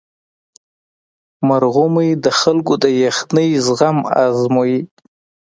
مرغومی د خلکو د یخنۍ زغم ازمويي.